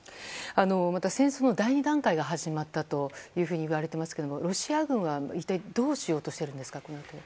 戦争の第２段階が始まったといわれていますけどもロシア軍は一体どうしようとしているんですか、このあと。